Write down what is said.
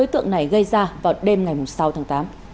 đối tượng này gây ra vào đêm ngày sáu tháng tám